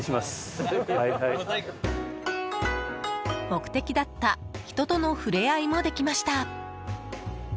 目的だった人との触れ合いもできました！